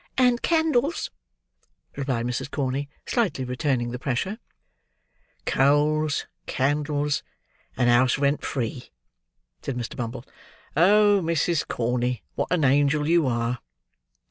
"And candles," replied Mrs. Corney, slightly returning the pressure. "Coals, candles, and house rent free," said Mr. Bumble. "Oh, Mrs. Corney, what an Angel you are!"